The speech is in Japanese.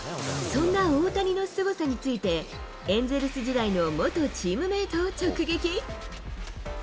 そんな大谷のすごさについて、エンゼルス時代の元チームメートを直撃。